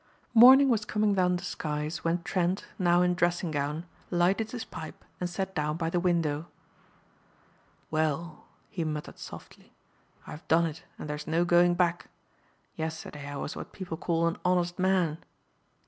Morning was coming down the skies when Trent, now in dressing gown, lighted his pipe and sat down by the window. "Well," he muttered softly, "I've done it and there's no going back. Yesterday I was what people call an honest man.